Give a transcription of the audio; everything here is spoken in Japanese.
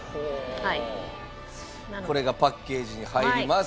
これがパッケージに入ります。